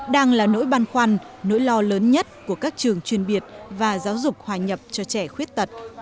đang là nỗi băn khoăn nỗi lo lớn nhất của các trường chuyên biệt và giáo dục hòa nhập cho trẻ khuyết tật